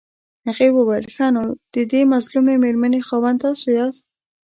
هغې وويل ښه نو ددې مظلومې مېرمنې خاوند تاسو ياست.